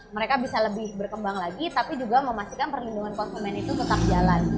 mereka bisa lebih berkembang lagi tapi juga memastikan perlindungan konsumen itu tetap jalan